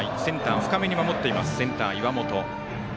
深めに守っていますセンター、岩本。